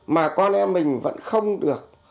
mà con em mình vẫn không được